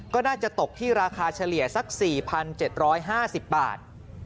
ก็น่าจะตกที่ราคาเฉลี่ยสัก๔๗๕๐บาท